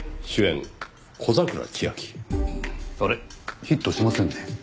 ヒットしませんね。